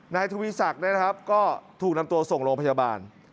นายทวีศักดิ์นะครับก็ถูกนำตัวส่งโรงพยาบาล